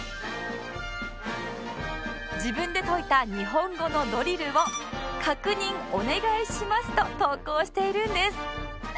自分で解いた日本語のドリルを「かくにんおねがいします」と投稿しているんです